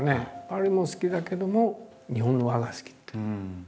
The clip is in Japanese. パリも好きだけども日本の和が好きっていう。